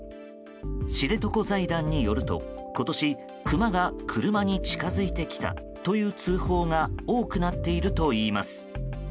知床財団によると今年、クマが車に近づいてきたという通報が多くなっているといいます。